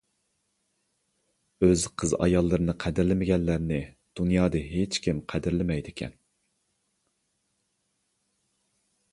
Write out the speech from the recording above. ئۆز قىز-ئاياللىرىنى قەدىرلىمىگەنلەرنى دۇنيادا ھېچكىم قەدىرلىمەيدىكەن.